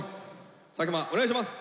作間お願いします。